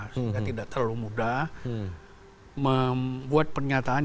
sehingga tidak terlalu mudah membuat pernyataan